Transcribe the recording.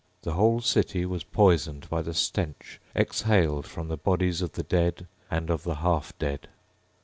The whole city was poisoned by the stench exhaled from the bodies of the dead and of the half dead.